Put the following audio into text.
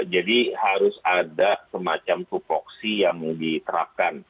jadi harus ada semacam suploksi yang diterapkan